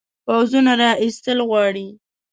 پوځونو را ایستل غواړي.